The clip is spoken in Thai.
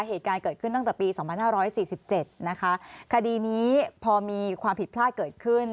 เหตุการณ์เกิดขึ้นตั้งแต่ปีสองพันห้าร้อยสี่สิบเจ็ดนะคะคดีนี้พอมีความผิดพลาดเกิดขึ้น